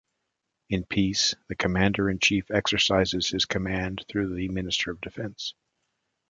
In peace, the Commander-in-Chief exercises his command through the Minister of Defence.